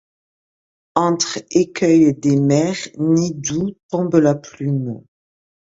Antres, écueils des mers, nids d’où tombe la plume